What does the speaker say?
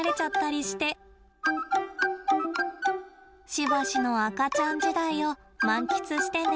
しばしの赤ちゃん時代を満喫してね。